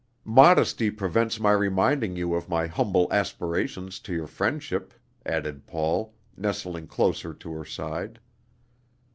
"Modesty prevents my reminding you of my humble aspirations to your friendship," added Paul, nestling closer to her side.